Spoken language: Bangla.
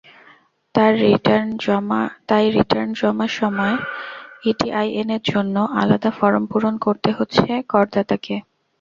তাই রিটার্ন জমার সময় ইটিআইএনের জন্য আলাদা ফরম পূরণ করতে হচ্ছে করদাতাকে।